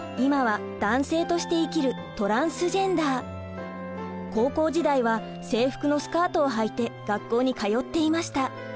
杉山文野さんは高校時代は制服のスカートをはいて学校に通っていました。